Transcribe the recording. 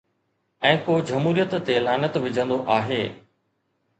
۽ ڪو جمهوريت تي لعنت وجهندو آهي.